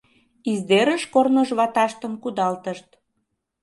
Издерыш корно жваташтым кудалтышт.